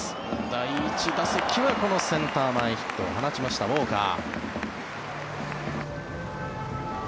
第１打席はセンター前ヒットを放ったウォーカー。